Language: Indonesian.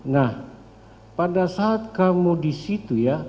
nah pada saat kamu di situ ya